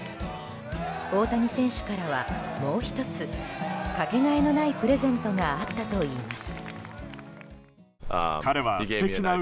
大谷選手からはもう１つかけがえのないプレゼントがあったといいます。